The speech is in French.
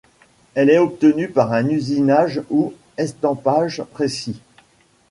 Elle est obtenue par un usinage ou estampage précis.